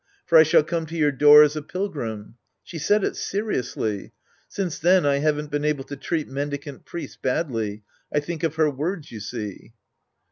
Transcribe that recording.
For I shall come to your door as a pilgrim." She said it seriously. Since then I haven't been able to treat mendicant priests badly. I think of her words, you see.